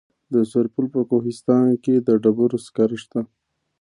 د سرپل په کوهستان کې د ډبرو سکاره شته.